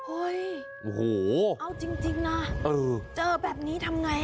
โอ้โหโอ้โหเอาจริงจริงอ่ะเออเจอแบบนี้ทำไงอ่ะ